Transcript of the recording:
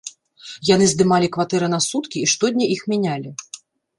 Яны здымалі кватэры на суткі і штодня іх мянялі.